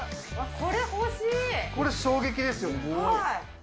これ、衝撃ですよね。